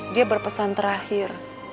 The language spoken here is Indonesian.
dia berpesan terakhir